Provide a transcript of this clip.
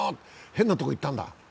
変なところいったんだ